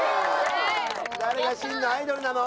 誰が真のアイドルなの？